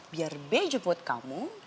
biar be jemput kamu